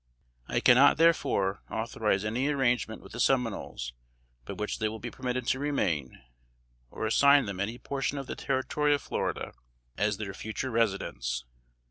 I cannot, therefore, authorize any arrangement with the Seminoles by which they will be permitted to remain, or assign them any portion of the Territory of Florida as their future residence."